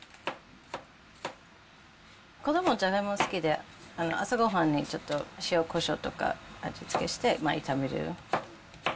子どもがじゃがいも好きで、朝ごはんにちょっと、塩こしょうとか味付けして炒める。